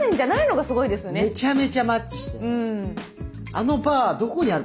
めちゃめちゃマッチしてる。